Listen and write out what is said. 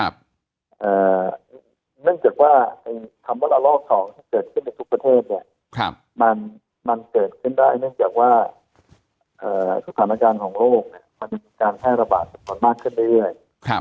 เนื่องจากว่าคำว่าละลอก๒ที่เกิดขึ้นในทุกประเทศเนี่ยมันเกิดขึ้นได้เนื่องจากว่าสถานการณ์ของโรคมันมีการแพร่ระบาดมากขึ้นเรื่อย